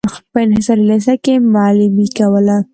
په انصاري لېسه کې معلمي کوله.